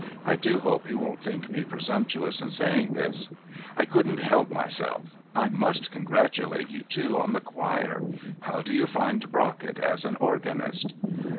I do hope you won't think me presumptuous in saying this. I couldn't help myself. I must congratulate you, too, on the choir. How do you find Brockett as an organist?"